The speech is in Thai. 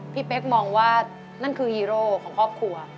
เป๊กมองว่านั่นคือฮีโร่ของครอบครัว